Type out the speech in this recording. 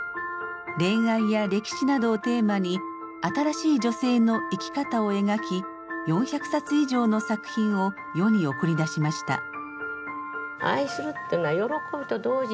恋愛や歴史などをテーマに新しい女性の生き方を描き４００冊以上の作品を世に送り出しました。